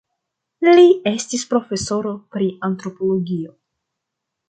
Li estis profesoro pri antropologio.